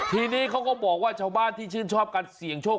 ทีนี้เขาก็บอกว่าชาวบ้านที่ชื่นชอบการเสี่ยงโชค